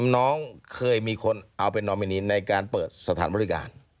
น้องเคยมีคนเอาไปนอมินีในการเปิดสถานบริการ